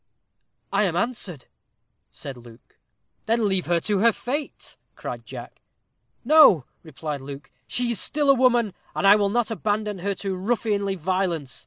"I am answered," said Luke. "Then leave her to her fate," cried Jack. "No," replied Luke; "she is still a woman, and I will not abandon her to ruffianly violence.